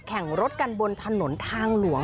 แข่งรถกันบนถนนทางหลวง